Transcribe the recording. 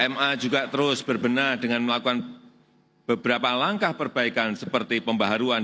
ma juga terus berbenah dengan melakukan beberapa langkah perbaikan seperti pembaharuan